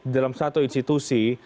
dalam satu institusi